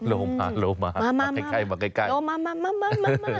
โลมามาใกล้มาอย่างนี้